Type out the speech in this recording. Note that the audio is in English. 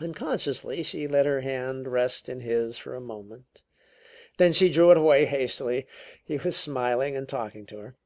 Unconsciously she let her hand rest in his for a moment, then she drew it away hastily. He was smiling and talking to her.